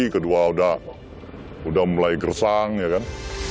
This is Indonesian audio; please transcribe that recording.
kedua udah mulai gersang ya kan